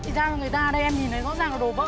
rồi ra người ra đây em nhìn thấy rõ ràng là đồ vỡ